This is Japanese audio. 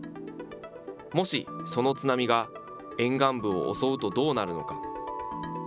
もしその津波が沿岸部を襲うとどうなるのか。